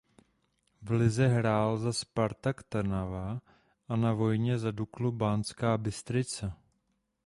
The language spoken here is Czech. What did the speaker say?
V lize hrál za Spartak Trnava a na vojně za Duklu Banská Bystrica.